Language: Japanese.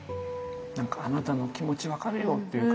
何かあなたの気持ち分かるよっていう顔ですかね。